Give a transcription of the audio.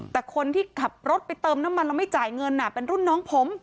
แต่คนที่ขับรถไปเติมน้ำมันแล้วไม่จ่ายเงินเป็นรุ่นน้องผม